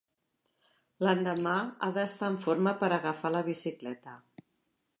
L'endemà ha d'estar en forma per agafar la bicicleta.